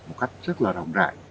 một cách rất là rộng rãi